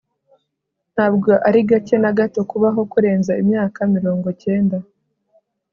ntabwo ari gake na gato kubaho kurenza imyaka mirongo cyenda